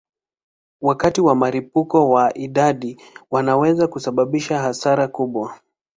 Wakati wa mlipuko wa idadi wanaweza kusababisha hasara kubwa.